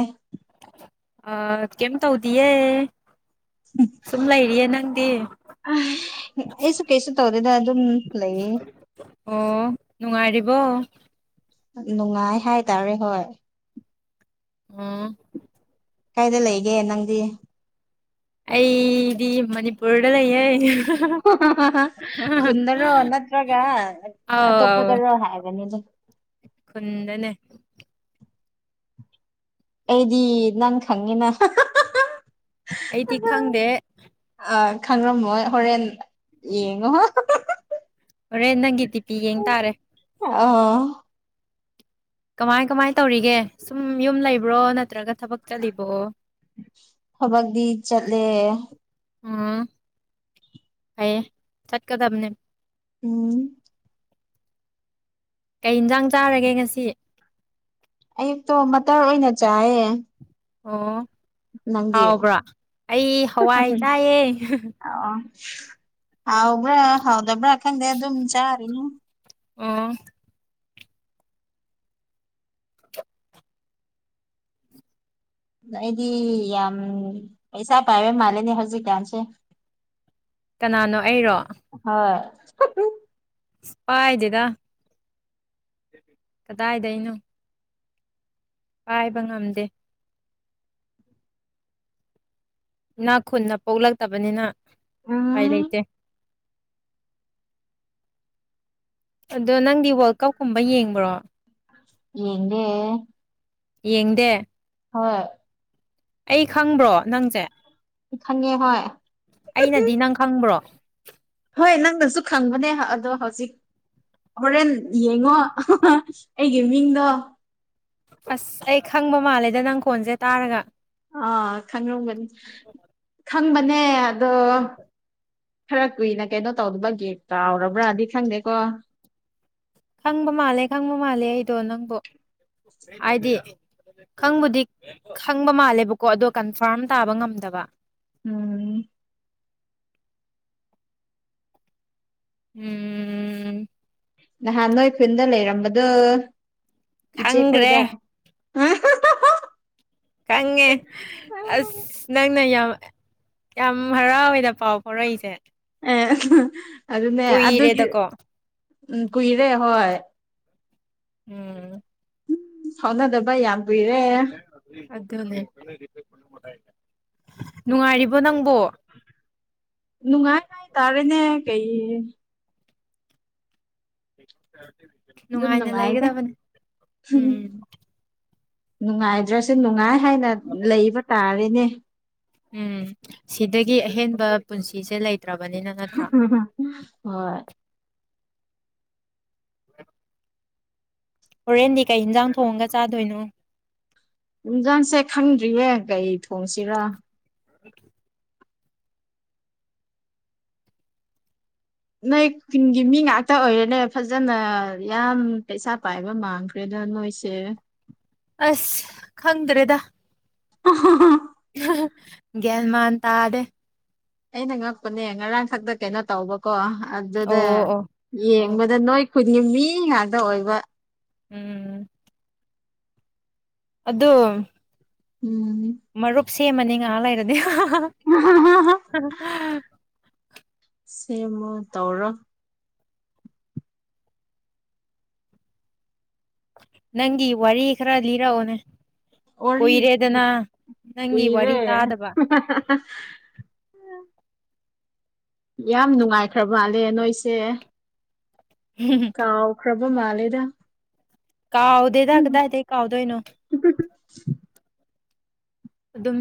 ꯑꯦ ꯑ ꯀꯝ ꯇꯧꯗꯤꯑꯦ ꯁꯨꯨꯝ ꯂꯩ ꯏꯔꯤꯌꯦ ꯅꯪꯗꯤ ꯑꯩꯁꯨ ꯀꯩꯁꯨ ꯇꯧꯔꯤꯦꯗ ꯑꯗꯨꯝ ꯂꯩꯌꯦ ꯉꯥꯏꯔꯤꯕ ꯅꯨꯡꯉꯥꯏ ꯍꯥꯏꯇꯥꯔꯦ ꯍꯣꯏ ꯎꯝ ꯀꯥꯏꯗ ꯂꯩꯒꯦ ꯅꯪꯗꯤ ꯑꯩꯗꯤ ꯃꯅꯤꯄꯨꯔꯗ ꯂꯩ ꯈꯨꯟꯗꯔꯣ ꯅꯠꯇ꯭ꯔꯒ ꯑꯥꯎ ꯑꯇꯣꯞꯄꯗꯔꯣ ꯍꯥꯏꯕꯅꯤ ꯑꯗꯨꯝ ꯈꯨꯟꯗꯅꯦ ꯑꯩꯗꯤ ꯅꯪ ꯈꯪꯉꯤꯅ ꯑꯩ ꯇ ꯏꯈꯪꯗꯦ ꯑꯥ ꯈꯪꯔꯝꯃꯣꯏ ꯍꯣꯔꯦꯟ ꯌꯦꯡꯉꯣ ꯑꯣꯔꯦ ꯅꯪꯒꯤꯗꯤ ꯄꯤ ꯌꯦꯦꯡ ꯇꯥꯔꯦ ꯑꯥ ꯀꯃꯥꯏ ꯀꯃꯥꯏꯅ ꯇꯧꯔꯤꯒꯦ ꯁꯨꯝ ꯌꯨꯝ ꯂꯩꯕ꯭ꯔꯣ ꯅꯠꯇ꯭ꯔꯒ ꯊꯕꯛ ꯆꯠꯂꯤꯕꯣ ꯊꯕꯛꯇꯤ ꯆꯠꯂꯦ ꯎꯝ ꯍꯥꯏꯌꯦ ꯆꯠꯀ ꯊꯝꯅꯦ ꯎꯝ ꯀꯩ ꯏꯟꯁꯥꯡ ꯆꯥꯔꯒꯦ ꯉꯁꯤ ꯑꯌꯨꯛꯇꯣ ꯃꯇꯔ ꯑꯣꯏꯅ ꯆꯥꯏꯌꯦ ꯑꯣ ꯅꯪꯗꯤ ꯍꯥꯎꯕ꯭ꯔꯣ ꯑꯩ ꯍꯋꯥꯏ ꯇꯥꯏꯌꯦꯦ ꯑꯣ ꯍꯥꯎꯕ꯭ꯔꯥ ꯍꯥꯎꯗꯕ꯭ꯔꯥ ꯈꯪꯦ ꯑꯗꯨꯝ ꯆꯥꯔꯤꯅ ꯑꯣ ꯑꯩꯗꯤ ꯌꯥꯝ ꯄꯩꯁꯥ ꯄꯥꯏꯕꯩ ꯃꯥꯂꯦꯅꯦ ꯍꯧꯖꯤꯛꯀꯥꯟꯁꯦ ꯀꯅꯥꯅꯣ ꯑꯩꯔꯣ? [unintelligible] ꯄꯥꯏꯗꯦꯗꯥ ꯀꯗꯥꯏꯗ ꯑꯩꯅꯣ ꯄꯥꯏꯕ ꯉꯝꯗꯦ ꯅꯥ ꯈꯨꯟꯅ ꯄꯣꯛꯂꯛꯇꯕꯅꯤꯅ ꯎꯄꯥꯏ ꯂꯩꯇꯦ ꯑꯗꯣ ꯅꯪꯗꯤ ꯋꯥꯔꯜ ꯀꯞꯀꯨꯝꯕ ꯌꯦꯡꯕ꯭ꯔꯣ ꯌꯦꯒꯦ ꯌꯦꯡꯗꯦ ꯍꯣꯏ ꯑꯩ ꯈꯪꯕ꯭ꯔꯣ ꯅꯪꯁꯦ ꯈꯪꯉꯦ ꯍꯣꯏ ꯑꯩꯅꯗꯤ ꯅꯪ ꯈꯪꯕ꯭ꯔꯣ ꯍꯣꯏ ꯅꯪꯅꯁꯨ ꯈꯪꯕꯅꯦ ꯑꯗꯣ ꯍꯧꯖꯤꯛ ꯍꯣꯔꯦꯟ ꯌꯦꯡꯉꯣ ꯑꯩꯒꯤ ꯃꯤꯡꯗꯣ ꯑꯁ ꯑꯩ ꯈꯪꯕ ꯃꯥꯜꯂꯦꯗ ꯅꯪ ꯀꯣꯟꯁꯦ ꯇꯥꯔꯒ ꯑꯥ ꯈꯪꯔꯒꯅꯤ ꯈꯪꯕꯅꯦ ꯑꯗꯣ ꯈꯔ ꯀꯨꯏꯅ ꯀꯩꯅꯣ ꯇꯧꯗꯕ ꯒꯦꯠ ꯀꯥꯎꯔꯕ꯭ꯔꯥꯗꯤ ꯈꯪꯗꯦꯀꯣ ꯈꯪꯕ ꯃꯥꯜꯂꯦ ꯈꯪꯕ ꯃꯥꯜꯂꯦ ꯑꯩꯗꯣ ꯅꯪꯕꯨꯣ ꯍꯥꯏꯗꯤ ꯈꯪꯕꯨꯗꯤ ꯈꯪꯕ ꯃꯥꯜꯂꯦꯕꯀꯣ ꯑꯗꯣ ꯀꯟꯐꯥꯔꯝ ꯇꯥꯕ ꯉꯝꯗꯕ ꯎꯝ ꯎꯝ ꯅꯍꯥꯟ ꯅꯣꯏ ꯈꯨꯟꯗ ꯂꯩꯔꯝꯕꯗꯨꯣ ꯏꯆꯦ ꯈꯪꯈ꯭ꯔꯦ ꯈꯣꯏꯗ ꯍ ꯀꯪꯉꯦ ꯑꯁ ꯅꯪꯅ ꯌꯥꯝ ꯌꯥꯝ ꯍꯔꯥꯎꯋꯦꯅ ꯄꯥꯎ ꯐꯥꯎꯔꯛꯏꯁꯦ ꯑꯦ ꯑꯗꯨꯅꯦ ꯑꯗꯨꯒꯤ ꯀꯨꯏꯔꯦꯗꯀꯣ ꯎꯝ ꯀꯨꯏꯔꯦ ꯍꯣꯏ ꯎꯝ ꯁꯥꯎꯅꯗꯕ ꯌꯥꯝ ꯀꯨꯏꯔꯦ ꯑꯗꯨꯅꯦ ꯅꯨꯡꯉꯥꯏꯔꯤꯕꯣ ꯅꯪ ꯅꯨꯡꯉꯥꯏ ꯉꯥꯏ ꯇꯔꯦꯅꯦ ꯀꯩ ꯑꯗꯨꯝ ꯅꯨꯡꯉꯥꯏꯅ ꯅꯨꯡꯉꯥꯏꯗ ꯂꯩꯒꯗꯕꯅꯦ ꯎꯝ ꯅꯨꯡꯉꯥꯏꯗ꯭ꯔꯁꯨ ꯅꯨꯡꯉꯥꯏ ꯍꯥꯏꯅ ꯂꯩꯕ ꯇꯥꯔꯦꯅꯦ ꯎꯝ ꯁꯤꯗꯒꯤ ꯑꯍꯦꯟꯕ ꯄꯨꯟꯁꯤꯁꯦ ꯂꯩ ꯍꯣꯏ [inaudible] ꯍꯣꯔꯦꯟꯗꯤ ꯀꯩ ꯌꯦꯟꯁꯥꯡ ꯊꯣꯡꯉꯒ ꯆꯥꯗꯣꯏꯅꯣ ꯨꯝꯖꯡꯁꯦ ꯈꯪꯗ꯭ꯔꯤꯌꯦ ꯒꯥꯔꯤ ꯊꯣꯡꯁꯤꯔꯥ [inaudible] ꯅꯣꯏ ꯈꯨꯟꯒꯤ ꯃꯤ ꯉꯥꯛꯇ ꯑꯣꯏꯔꯦꯅꯦ ꯐꯖꯅ ꯌꯥꯝ ꯄꯩꯁꯥ ꯄꯥꯏꯕ ꯃꯥꯡꯈ꯭ꯔꯦ ꯑꯗꯨ ꯍꯔꯣꯏꯁꯦ ꯑꯁ ꯈꯪꯗ꯭ꯔꯦꯗ [inaudible] ꯦꯜꯃꯥꯟ ꯇꯥꯗꯦ ꯑꯩꯅ ꯉꯛꯄꯅꯦ ꯉꯔꯥꯡ ꯁꯛꯇ ꯀꯩꯅꯣ ꯇꯧꯕꯀꯣ ꯑꯣ ꯑꯗꯨꯗ ꯑꯣ ꯑꯣ ꯌꯦꯡꯕꯗ ꯅꯣꯏ ꯈꯨꯗꯤꯡ ꯃꯤ ꯉꯥꯛꯇ ꯑꯣꯏꯕ ꯎꯝ ꯑꯗꯣ ꯎꯝ ꯃꯔꯨꯞ ꯁꯦꯝꯃꯅꯤ ꯉꯥꯏꯍꯥꯛ ꯂꯩꯔꯗꯤ ꯁꯦꯝꯃ ꯇꯧꯔ ꯅꯪꯒꯤ ꯋꯥꯔꯤ ꯈꯔ ꯂꯤꯔꯛꯑꯣꯅꯦ ꯑꯣꯔꯤ ꯀꯨꯏꯔꯦꯗꯅ ꯅꯪꯒꯤ ꯎꯏꯔꯦ ꯋꯥꯔꯤ ꯎꯝ ꯇꯥꯗꯕ ꯌꯥꯝ ꯅꯨꯡꯉꯥꯏꯈ꯭ꯔꯕ ꯃꯥꯜꯂꯦ ꯅꯣꯏꯁꯦ ꯀꯥꯎꯈ꯭ꯔꯕ ꯃꯥꯂꯦꯗ ꯀꯥꯎꯗ ꯇ ꯀꯗ ꯍꯥꯏꯗ ꯀꯥꯎꯥꯎꯗ ꯏꯅꯣ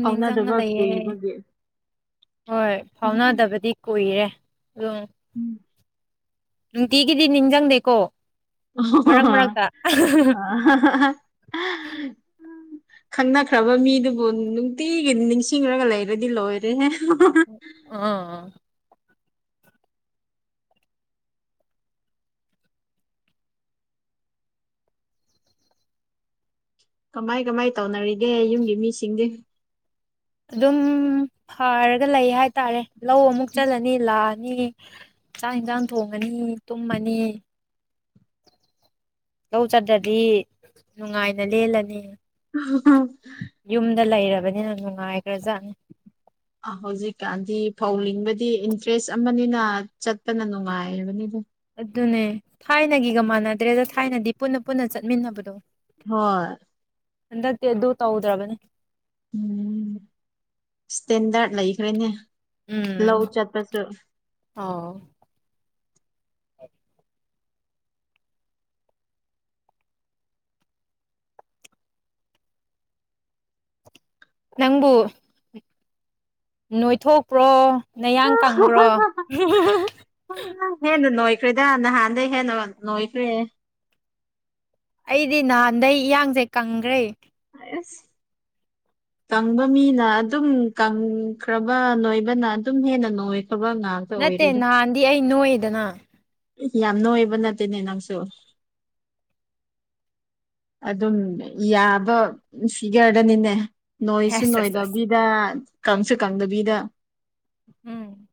ꯍꯥꯎꯅꯥꯗꯕꯥꯛ ꯂꯩꯌꯦ ꯀꯕꯦ ꯍꯣꯏ ꯐꯥꯎꯅꯗꯕꯗꯤ ꯀꯨꯏꯔꯦ ꯑꯗꯨꯝ ꯎꯝ ꯎ ꯊꯤ ꯀꯗꯤ ꯅꯤꯡꯖꯪꯗꯦꯀꯣ ꯑꯣ ꯑ ꯈꯪꯅꯈ꯭ꯔꯕ ꯃꯤꯗꯨꯕꯨ ꯅꯨꯡꯇꯤꯒꯤ ꯅꯤꯡꯁꯤꯡꯂꯒ ꯂꯩꯔꯗꯤ ꯂꯣꯏꯔꯦꯍꯦ ꯑꯥ ꯀꯃꯥꯏ ꯀꯃꯥꯏ ꯇꯧꯅꯔꯤꯒꯦ ꯌꯨꯝꯒꯤ ꯃꯤꯁꯤꯡꯗꯤ ꯑꯗꯨꯝ ꯐꯔꯒ ꯂꯩ ꯍꯥꯏꯇꯥꯔꯦ ꯂꯧ ꯑꯃꯨꯛ ꯆꯠꯂꯅꯤ ꯂꯥꯛꯑꯅꯤ ꯆꯥꯛ ꯌꯦꯟꯁꯥꯡ ꯊꯣꯡꯉꯅꯤ ꯇꯨꯝꯃꯅꯤ ꯂꯧ ꯆꯗ꯭ꯔꯗꯤ ꯅꯨꯡꯉꯥꯏꯅ ꯂꯦꯜꯂꯅꯤ ꯑꯣ ꯌꯨꯝꯗ ꯂꯩꯔꯕꯅꯤꯅ ꯅꯨꯡꯉꯥꯏꯈ꯭ꯔꯖꯥꯠꯅꯤ ꯑ ꯍꯧꯖꯤꯛꯀꯥꯟꯗꯤ ꯐꯧ ꯂꯤꯡꯕꯗꯤ ꯏꯟꯇꯔꯦꯁ ꯑꯃꯅꯤꯅ ꯆꯠꯄꯅ ꯅꯨꯡꯉꯥꯏꯔꯕꯅꯤꯗ ꯑꯗꯨꯅꯦ ꯊꯥꯏꯅꯒꯤꯒ ꯃꯥꯟꯅꯗ꯭ꯔꯦꯗ ꯊꯥꯏꯅꯗꯤ ꯄꯨꯟꯅ ꯄꯨꯟꯅ ꯆꯠꯃꯤꯟꯅꯕꯗꯣ ꯍꯣꯏ ꯍꯟꯗꯗꯤ ꯑꯗꯨ ꯇꯧꯗ꯭ꯔꯕꯅꯤ ꯎꯝ ꯏꯁꯇꯦꯟꯗꯔꯠ ꯂꯩꯈ꯭ꯔꯦꯅꯦ ꯂ ꯎꯝ ꯎ ꯆꯠꯄꯁꯨ ꯑꯣ ꯅꯪꯕꯨ ꯅꯣꯏꯊꯣꯛꯄ꯭ꯔꯣ ꯅꯌꯥꯡ ꯀꯪꯕ꯭ꯔꯣ ꯐ꯭ꯔꯤꯗꯥ ꯅꯍꯥꯟꯗꯒꯤꯩ ꯍꯦꯟꯅ ꯅꯣꯏꯈ꯭ꯔꯦ ꯑꯩꯗꯤ ꯅꯍꯥꯟꯗꯩ ꯏꯌꯥꯡꯁꯦ ꯀꯪꯈ꯭ꯔꯦ ꯑꯁ ꯀꯪꯕ ꯃꯤꯅ ꯑꯗꯨꯝ ꯀꯪꯈ꯭ꯔꯕ ꯅꯣꯏꯕꯅ ꯑꯗꯨꯝ ꯍꯦꯟꯅ ꯅꯣꯏ ꯅꯠꯇꯦ ꯅꯍꯥꯟꯗꯤ ꯑꯩ ꯅꯣꯏꯗꯅ ꯌꯥꯝ ꯅꯣꯏ ꯑꯣꯏꯕ ꯅꯠꯇꯦꯅꯦ ꯅꯪꯁꯨ ꯑꯗꯨꯝ ꯌꯥꯕ ꯁꯤ ꯒꯥꯔꯗꯅꯤꯅꯦ ꯅꯣꯏꯁꯨ ꯑꯁ ꯑꯁ ꯑꯁ ꯅꯣꯏꯗꯕꯤꯗ ꯀꯪꯁꯨ ꯀꯪꯗꯕꯤꯗ ꯎꯝ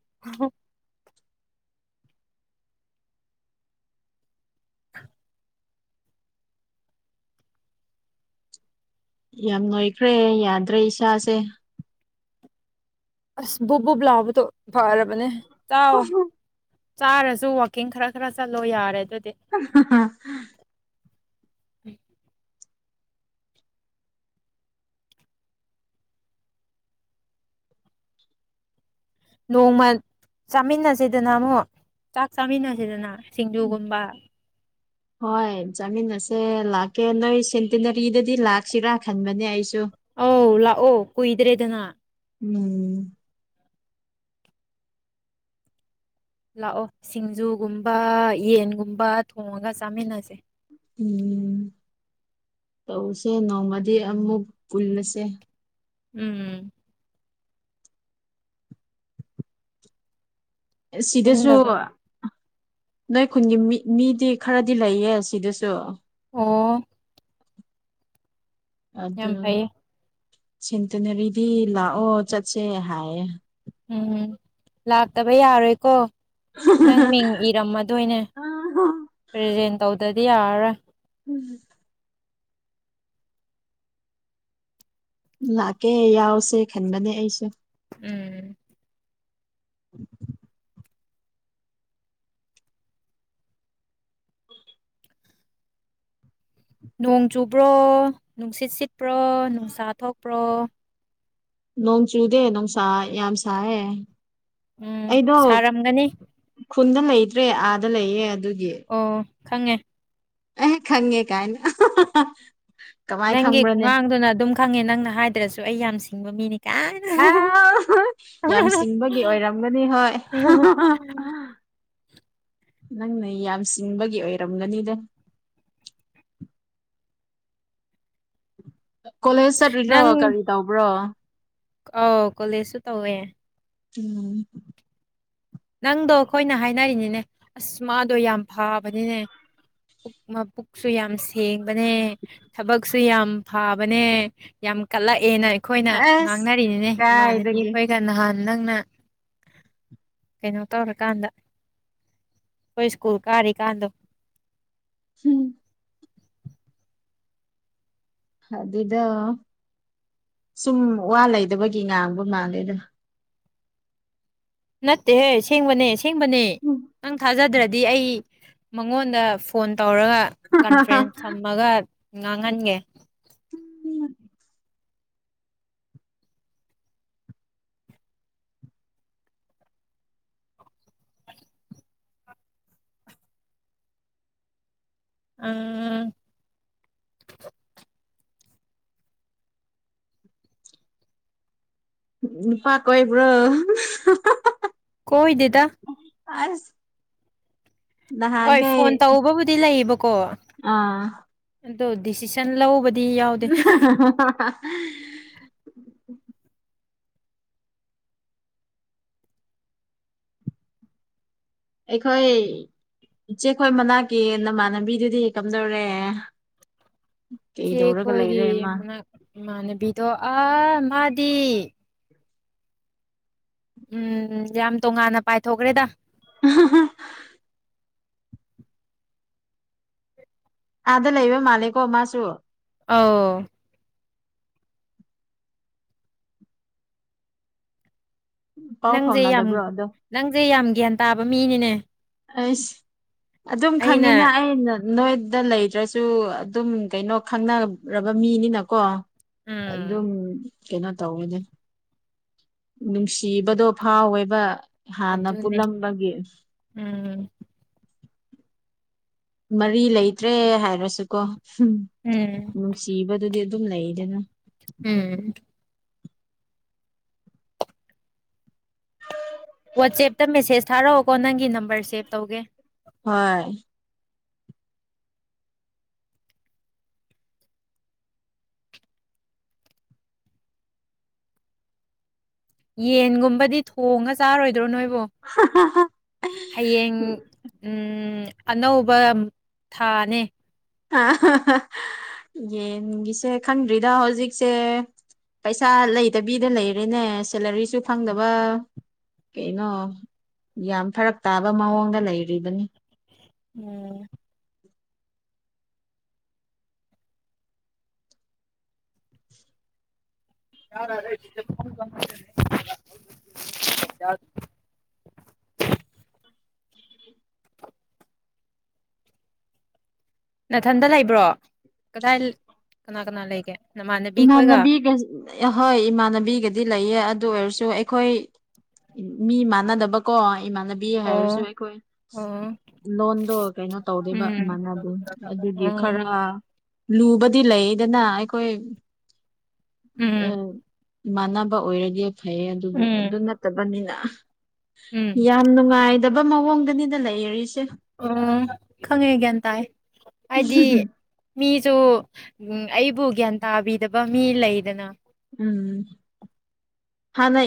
ꯌꯥꯝ ꯅꯣꯏꯈ꯭ꯔꯦ ꯌꯥꯗ꯭ꯔꯦ ꯏꯁꯥꯁꯦ ꯑꯁ ꯕꯨꯞ ꯕꯨꯞ ꯂꯥꯎꯕꯗꯣ ꯐꯔꯕꯅꯦ ꯇꯥꯛꯑꯣ ꯆꯥꯔꯁꯨ ꯋꯥꯛꯀꯤꯡ ꯈꯔ ꯈꯔ ꯆꯠꯂꯣ ꯌꯥꯔꯦ ꯑꯗꯨꯗꯤ ꯎꯝ ꯅꯣꯡꯃ ꯆꯥꯃꯤꯟꯅꯁꯤꯗꯅ ꯑꯃꯨꯛ ꯆꯥꯛ ꯆꯥꯃꯤꯟꯅꯁꯤꯗꯅ ꯁꯤꯡꯖꯨꯒꯨꯝꯕ ꯍꯣꯏ ꯆꯥꯃꯤꯟ ꯑꯁꯦ ꯂꯥꯛꯀꯦ ꯅꯣꯏ ꯁꯦꯟꯇꯤꯅꯔꯤꯗꯗꯤ ꯂꯥꯛꯁꯤꯔꯥ ꯈꯟꯕꯅꯦ ꯑꯩꯁꯨ ꯑ ꯂ ꯑꯣ ꯀꯨꯣꯏꯗ꯭ꯔꯦꯗꯅ ꯎꯝ ꯂꯥꯛꯑꯣ ꯁꯤꯡꯖꯨꯒꯨꯝꯕ ꯌꯦꯟꯒꯨꯝꯕ ꯊꯣꯡꯉꯒ ꯆꯥꯃꯤꯟꯅꯁꯦ ꯎꯝ ꯇꯧꯁꯦ ꯅꯣꯡꯃꯗꯤ ꯑꯃꯨꯛ ꯄꯨꯜꯂꯁꯦ ꯎꯝ ꯁꯤꯗꯁꯨ ꯄꯨꯟꯗꯕ ꯅꯣꯏ ꯈꯨꯟꯒꯤ ꯃꯤ ꯃꯤꯗꯤ ꯈꯔꯗꯤ ꯂꯩꯌꯦ ꯁꯤꯗꯁꯨ ꯑꯣ ꯌꯥꯝ ꯑꯗ ꯐꯩꯌꯦ ꯁꯤꯟꯇꯅꯔꯤꯗꯤ ꯂꯥꯛꯑꯣ ꯆꯠꯁꯦ ꯍꯥꯏꯌꯦ ꯎꯝ ꯂꯥꯛꯇꯕ ꯌꯥꯔꯣꯏꯀꯣ ꯅꯪ ꯃꯤꯡ ꯏꯔꯝꯃꯗꯣꯏꯅꯦ ꯄ꯭ꯔꯖꯦꯟ ꯇꯧꯗꯗꯤ ꯌꯥꯔꯔꯣꯏ ꯎꯝ ꯂꯥꯛꯀꯦ ꯌꯥꯎꯁꯦ ꯈꯟꯕꯅꯦ ꯑꯩꯁꯨ ꯎꯝ [inaudible] ꯅꯣꯡ ꯆꯨꯕ꯭ꯔꯣ ꯅꯨꯡꯁꯤꯠ ꯁꯤꯠꯄ꯭ꯔꯣ ꯅꯨꯡꯁꯥ ꯊꯣꯛꯄ꯭ꯔꯣ ꯅꯣꯡ ꯆꯨꯗꯦ ꯅꯨꯡꯁꯥ ꯌꯥꯝ ꯁꯥꯏꯌꯦꯦ ꯎꯝ ꯁꯥꯔꯝꯒꯅ ꯈꯨꯟꯗ ꯂꯩꯇ꯭ꯔꯦ ꯑꯥꯗ ꯂꯩꯌꯦ ꯑꯗꯨ ꯑꯣ ꯈꯪꯉꯦ ꯑ ꯈꯪꯉꯦ ꯀꯥꯏꯅ ꯀꯃꯥꯏ ꯅꯪꯒꯤ ꯈꯪꯕ꯭ꯔꯅꯦ ꯈꯨꯡꯒꯥꯡꯗꯨꯅ ꯑꯗꯨꯝ ꯈꯪꯉꯦ ꯅꯪꯅ ꯍꯥꯏꯗ꯭ꯔꯁꯨ ꯑꯩ ꯌꯥꯝ ꯁꯤꯡꯕ ꯃꯤꯅꯤ ꯀꯥꯏꯅ ꯌꯥꯝ ꯆꯤꯡꯕꯒꯤ ꯑꯣꯏꯔꯝꯒꯅꯤ ꯍꯣꯏ ꯅꯪꯅ ꯌꯥꯝ ꯆꯤꯡꯕꯒꯤ ꯑꯣꯏꯔꯝꯒꯅꯤꯗ ꯀꯣꯂꯦꯖ ꯆꯠꯂꯤꯔꯣ ꯀꯔꯤ ꯇꯧꯕ꯭ꯔꯣ ꯑꯥꯎ ꯀꯣꯂꯦꯖꯁꯨ ꯇꯧꯋꯦ. ꯎꯝ ꯅꯪꯗꯣ ꯑꯩꯈꯣꯏꯅ ꯍꯥꯏꯅꯔꯤꯅꯤꯅꯦ ꯑꯁ ꯃꯥꯗꯣ ꯌꯥꯝ ꯐꯕꯅꯤꯅꯦ ꯄꯨꯛ ꯃꯄꯨꯛꯁꯨ ꯌꯥꯝ ꯁꯦꯡꯉ ꯅꯦ ꯊꯕꯛꯁꯨ ꯌꯥꯝ ꯐꯕꯅꯦ ꯌꯥꯝ ꯀꯠꯂꯛꯑꯦꯅ ꯑꯩꯈꯣꯏꯅ ꯑꯁ ꯉꯥꯡꯅꯔꯤꯅꯤꯅꯦ ꯏꯃꯥꯟꯅꯕꯤ ꯀꯥꯏꯗꯒꯤ ꯑꯩꯈꯣꯏꯒ ꯅꯍꯥꯟ ꯅꯪꯅ ꯀꯩꯅꯣ ꯇꯧꯔꯀꯥꯟꯗ ꯑꯩꯈꯣꯏ ꯁ꯭ꯀꯨꯜ ꯀꯥꯔꯤꯀꯥꯟꯗ [inaudible] ꯑꯗꯨꯗ ꯁꯨꯝ ꯋꯥ ꯂꯩꯗꯕꯒꯤ ꯉꯥꯡꯕ ꯃꯥ ꯜꯂꯦ ꯑꯗꯨꯅ ꯅꯠꯇꯦꯍꯦ ꯁꯦꯡꯕꯅꯦ ꯁꯦꯡꯕꯅꯦ ꯎꯝ ꯅꯪ ꯊꯥꯖꯗ꯭ꯔꯗꯤ ꯑꯩ ꯃꯉꯣꯟꯗ ꯐꯣꯟ ꯇꯧꯔꯒ ꯀꯟꯐ꯭ꯔꯦꯟꯁ ꯊꯝꯃꯒ ꯉꯥꯡꯍꯟꯒꯦ ꯎꯝ ꯅꯨꯄꯥ ꯀꯣꯏꯕ꯭ꯔꯣ ꯀꯣꯣꯏꯗꯦꯗ ꯑꯁ ꯍꯣꯏ ꯅꯍꯥꯟꯈꯩ ꯐꯣꯟ ꯇꯧꯕꯕꯨꯗꯤ ꯂꯩꯌꯦꯕꯀꯣ ꯑꯥ ꯑꯗꯣ ꯗꯤꯁꯤꯖꯟ ꯂꯧꯕ [inaudible] ꯑꯩꯈꯣꯏ ꯏꯆꯦꯈꯣꯏ ꯃꯅꯥꯛꯀꯤ ꯅꯃꯥꯟꯅꯕꯤꯗꯨꯗꯤ ꯀꯝꯗꯧꯔꯦ ꯆꯦ ꯀꯩꯗꯧꯔꯒ ꯈꯣꯏꯒꯤ ꯂꯩꯔꯦ ꯃꯥ ꯃꯅꯥꯛ ꯏꯃꯟꯅꯕꯤꯗꯣ ꯑ ꯃꯥꯗꯤ ꯎꯝ ꯌꯥꯝ ꯇꯣꯉꯥꯟꯅ ꯄꯥꯏꯊꯣꯛ ꯈ꯭ꯔꯦꯗ [inaudible] ꯑꯥꯗ ꯂꯩꯕ ꯃꯥꯅꯤꯀꯣ ꯃꯥꯁꯨ ꯑꯥꯎ ꯄꯥꯎ ꯅꯪꯁꯦ ꯌꯥꯝ ꯐꯥꯎꯅꯗꯕ꯭ꯔꯣ ꯑꯗꯣ ꯅꯪꯁꯦ ꯌꯥꯝ ꯒ꯭ꯌꯥꯟ ꯇꯥꯕ ꯃꯤꯅꯤꯅꯦ ꯑꯩꯁ ꯑꯗꯨꯝ ꯑꯩꯅ ꯈꯪꯉꯤꯅ ꯑꯩꯅ ꯅꯣꯏꯗ ꯂꯩꯗ꯭ꯔꯁꯨ ꯑꯗꯨꯝ ꯀꯩꯅ ꯈꯪꯅꯔꯕ ꯃꯤꯅꯤꯅꯀꯣ ꯑꯗꯨꯝ ꯎꯝ ꯀꯩꯅꯣ ꯇꯧꯋꯦꯅꯦ ꯅꯨꯡꯁꯤꯕꯗꯣ ꯐꯥꯎꯋꯦꯕ ꯍꯥꯟ ꯅ ꯑꯗꯨꯅꯦ ꯄꯨꯂꯝꯕꯒꯤ ꯎꯝ ꯃꯔꯤ ꯂꯩꯇ꯭ꯔꯦ ꯍꯥꯏꯔꯁꯨꯀꯣ ꯎꯝ ꯅꯨꯡꯁꯤꯕꯗꯨꯗꯤ ꯑꯗꯨꯝ ꯂꯩꯗꯅ ꯎꯝ ꯋꯥꯆꯦꯞꯇ ꯃꯦꯁꯦꯁ ꯊꯥꯔꯛꯑꯣꯀꯣ ꯅꯪꯒꯤ ꯅꯝꯕꯔ ꯁꯦꯞ ꯇꯧꯒꯦ ꯍꯣꯏ ꯌꯦꯟꯒꯨꯝꯕꯗꯤ ꯊꯣꯡꯉ ꯆꯥꯔꯣꯏꯗ꯭ꯔꯣ ꯅꯣꯏ ꯍꯌꯦꯡ ꯎꯝ ꯑꯅꯧꯕ ꯊꯥꯅꯦ ꯌꯦꯟꯒꯤꯁꯦ ꯈꯪꯗ꯭ꯔꯤꯗ ꯍꯧꯖꯤꯛꯁꯦ ꯄꯩꯁꯥ ꯂꯩꯇꯕꯤꯗ ꯂꯩꯔꯦꯅꯦ ꯁꯦꯂꯔꯤꯁꯨ ꯐꯪꯗꯕ ꯀꯩꯅꯣ ꯌꯥꯝ ꯐꯔꯛ ꯇꯥꯕ ꯃꯑꯣꯡꯗ ꯂꯩꯔꯤꯕꯅꯤ ꯎꯝ ꯌꯥꯔ [inaudible] ꯌꯥ [inaudible] ꯎ [inaudible] ꯅꯊꯟꯗ ꯂꯩꯕ꯭ꯔꯣ ꯀꯗꯥꯏ ꯀꯅꯥ ꯀꯅꯥ ꯂꯩꯒꯦ ꯅꯃꯥꯟꯅꯕꯤ ꯈꯣꯏꯒ ꯏꯃꯥꯟꯅꯕꯤꯒ ꯑꯍꯣꯏ ꯏꯃꯥꯟꯅꯕꯤꯒꯗꯤ ꯂꯩꯌꯦ ꯑꯗꯨ ꯑꯣꯏꯔꯁꯨ ꯑꯩꯈꯣꯏ ꯃꯤ ꯃꯥꯟꯅꯗꯕꯀꯣ ꯏꯃꯥꯟꯅꯕꯤ ꯑꯣ ꯍꯥꯏꯔꯁꯨ ꯑꯣ ꯑꯩꯈꯣꯏ ꯎꯝ ꯂꯣꯟꯗꯣ ꯀꯩꯅꯣ ꯇꯧꯗꯕ ꯃꯥꯅꯗꯤ ꯑꯗꯨꯒꯤ ꯑꯣ ꯈꯔ ꯂꯨꯕꯗꯤ ꯂꯩꯗꯅ ꯑꯩꯈꯣꯏ ꯎꯝ ꯃꯥꯟꯅꯕ ꯑꯣꯏꯔꯒꯦ ꯐꯩꯌꯦ ꯑꯗꯨꯕꯨ ꯎꯝ ꯑꯗꯨ ꯅꯠꯇꯕꯅꯤꯅ ꯎꯝ ꯌꯥꯝ ꯅꯨꯡꯉꯥꯏꯗꯕ ꯃꯑꯣꯡꯗꯅꯤꯅ ꯂꯩꯔꯤꯁ ꯎ ꯈꯪꯉꯦ ꯒ꯭ꯌꯥꯟ ꯇꯥꯏ ꯍꯥꯏꯗꯤ ꯃꯤꯁꯨ ꯎ ꯑꯩꯕꯨ ꯒ꯭ꯌꯥꯟ ꯇꯥꯕꯤꯗꯕ ꯃꯤ ꯂꯩꯗꯅ ꯎꯝ ꯍꯥ ꯅ